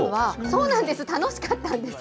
そうなんです、楽しかったんです。